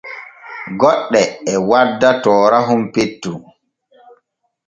Goɗɗe e wadda toorahon petton.